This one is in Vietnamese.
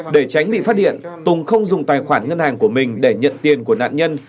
để tránh bị phát hiện tùng không dùng tài khoản ngân hàng của mình để nhận tiền của nạn nhân